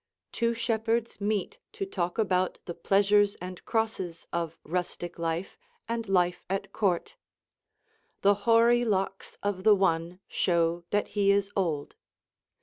Two shepherds meet to talk about the pleasures and crosses of rustic life and life at court. The hoary locks of the one show that he is old.